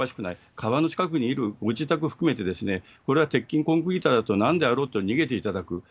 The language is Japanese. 川の近くにいる、ご自宅含めてこれは鉄筋コンクリートであろうとなんであろうと逃げていただく。